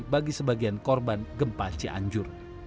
bagi sebagian korban gempa cianjur